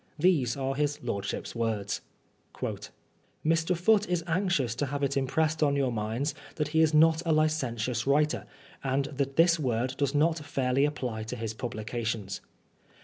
These are his lordship^s words :*< Mr. Foote is anxious to haye it impressed on your minds that he is not a licentious writer, and that this word does not fairly apply to his publications.